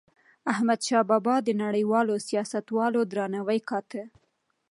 احمدشاه بابا د نړیوالو سیاستوالو درناوی ګاټه.